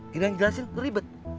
gak ada yang jelasin ribet